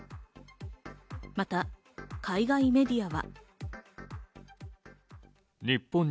また、海外メディアは。